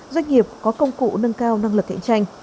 doanh nghiệp có công cụ nâng cao năng lực cạnh tranh